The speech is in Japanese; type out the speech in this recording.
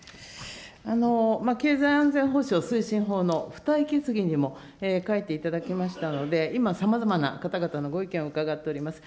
経済安全保障推進法の付帯決議にも書いていただきましたので、今、さまざまな方々のご意見を伺っております。